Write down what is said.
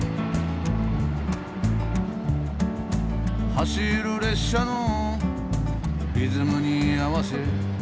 「走る列車のリズムにあわせ」